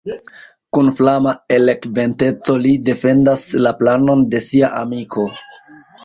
Kun flama elokventeco li defendas la planon de sia amiko.